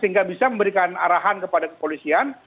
sehingga bisa memberikan arahan kepada kepolisian